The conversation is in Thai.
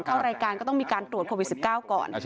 เข้ารายการก็ต้องมีการตรวจโควิด๑๙ก่อน